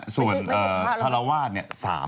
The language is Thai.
ส่วนภารวาส๓